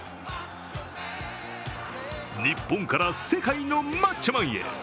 日本から世界のマッチョマンへ。